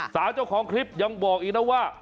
สาวเจ้าของคลิปยังบอกอีกนะว่า